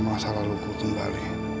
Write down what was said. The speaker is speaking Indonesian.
mas wisnu itu kan